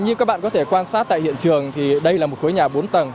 như các bạn có thể quan sát tại hiện trường thì đây là một khối nhà bốn tầng